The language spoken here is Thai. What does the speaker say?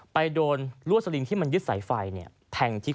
ไปโดนรั่วสลิงที่มันยึดสายไฟเนี่ยแทงที่คอ